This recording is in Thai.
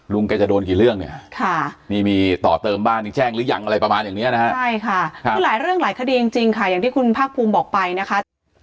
แกจะโดนกี่เรื่องเนี่ยค่ะนี่มีต่อเติมบ้านนี่แจ้งหรือยังอะไรประมาณอย่างเนี้ยนะฮะใช่ค่ะคือหลายเรื่องหลายคดีจริงค่ะอย่างที่คุณภาคภูมิบอกไปนะคะ